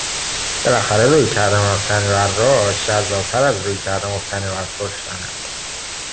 بلاخره رویکرد مبتنی بر رشد جذابتر از رویکرد مبتنی بر کشتنه!